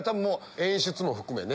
演出も含めね。